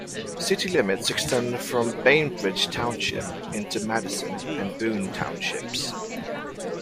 City limits extend from Bainbridge Township into Madison and Boone Townships.